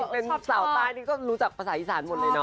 เป็นสาวใต้นี่ก็รู้จักภาษาอีสานหมดเลยเนาะ